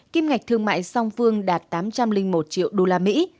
kim ngạch thương mại song phương đạt tám trăm linh một triệu đô la mỹ